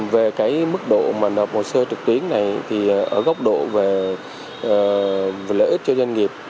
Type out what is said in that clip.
về mức độ nộp hồ sơ trực tuyến này ở góc độ về lợi ích cho doanh nghiệp